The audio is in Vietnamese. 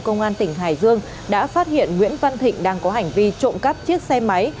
công an tỉnh hải dương đã phát hiện nguyễn văn thịnh đang có hành vi trộm cắp chiếc xe máy